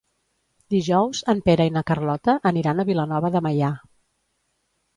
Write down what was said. Dijous en Pere i na Carlota aniran a Vilanova de Meià.